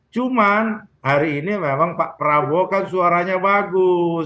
cuman hari ini memang pak prabowo kan suaranya bagus